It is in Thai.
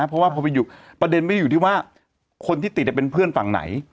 เพราะว่าพอไปอยู่ประเด็นไม่ได้อยู่ที่ว่าคนที่ติดเป็นเพื่อนฝั่งไหน